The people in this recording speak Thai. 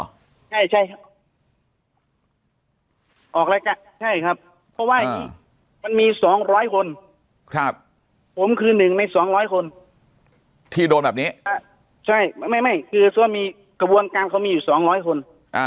ใช่ครับใช่ครับเพราะว่ามันมี๒๐๐คนผมคือหนึ่งใน๒๐๐คนที่โดนแบบนี้ใช่ไม่คือขบวนการเขามีอยู่๒๐๐คน